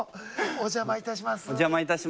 お邪魔いたします。